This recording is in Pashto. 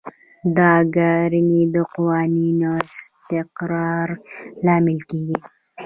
دا کړنې د قوانینو د استقرار لامل کیږي.